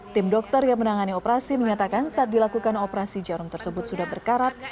tim dokter yang menangani operasi menyatakan saat dilakukan operasi jarum tersebut sudah berkarat